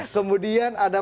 kemudian ada mas teguh